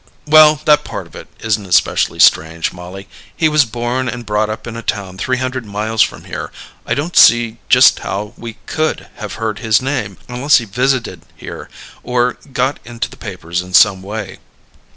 '"_] "Well, that part of it isn't especially strange, Mollie. He was born and brought up in a town three hundred miles from here. I don't see just how we could have heard his name unless he visited here or got into the papers in some way."